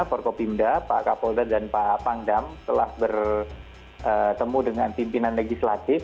forkopimda pak kapolda dan pak pangdam telah bertemu dengan pimpinan legislatif